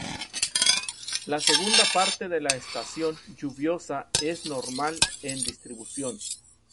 La segunda parte de la estación lluviosa es normal en distribución.